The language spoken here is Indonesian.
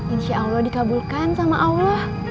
insyaallah dikabulkan sama allah